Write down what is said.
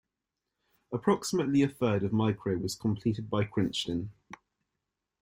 Approximately a third of Micro was completed by Crichton.